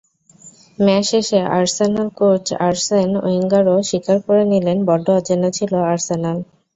Match শেষে Arsenal coach Arsene ওয়েঙ্গারও স্বীকার করে নিলেন, বড্ড অচেনা ছিল আর্সেনাল।